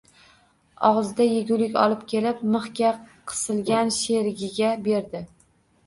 Ogʻzida yegulik olib kelib, mixga qisilgan sherigiga berdi